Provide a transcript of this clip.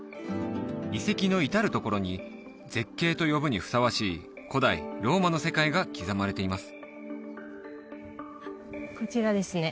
遺跡の至るところに絶景と呼ぶにふさわしい古代ローマの世界が刻まれています